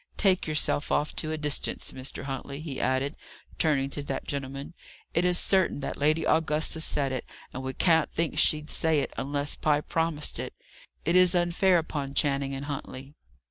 "Take yourself off to a distance, Mr. Huntley," he added, turning to that gentleman, "it is certain that Lady Augusta said it; and we can't think she'd say it, unless Pye promised it. It is unfair upon Channing and Huntley."